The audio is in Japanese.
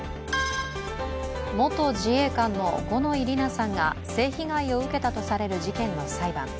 元自衛官の五ノ井里奈さんが性被害を受けたとされる事件の裁判。